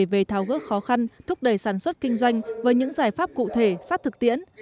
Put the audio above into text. về tháo gỡ khó khăn thúc đẩy sản xuất kinh doanh với những giải pháp cụ thể sát thực tiễn